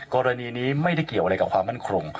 กรณีนี้ไม่ได้เกี่ยวอะไรกับความมั่นคง